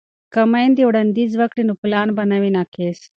که میندې وړاندیز وکړي نو پلان به نه وي ناقص.